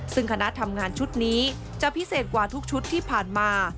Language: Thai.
ซึ่งคณะทำงานชุดนี้จะพิเศษกว่าทุกชุดที่ผ่านมา